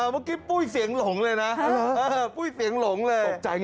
เมื่อกี้ปุ้ยเสียงหลงเลยนะปุ้ยเสียงหลงเลยตกใจ